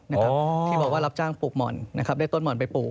นะครับที่บอกว่ารับจ้างปลูกหม่อนนะครับได้ต้นห่อนไปปลูก